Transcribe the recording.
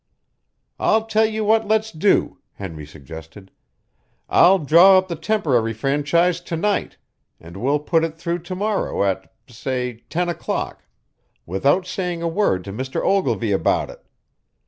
"I'll tell you what let's do," Henry suggested. "I'll draw up the temporary franchise to night, and we'll put it through to morrow at, say, ten o'clock without saying a word to Mr. Ogilvy about it.